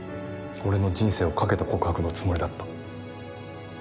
俺の人生を懸けた告白のつもりだった。